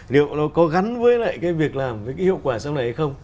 liệu nó có gắn với lại cái việc làm với cái hiệu quả sau này hay không